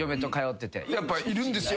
やっぱいるんですよ